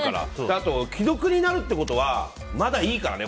あと、既読になるということはまだいいからね。